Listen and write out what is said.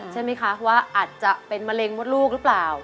ใช่ไหมคะว่าอาจจะเป็นมะเร็งมดลูกหรือเปล่า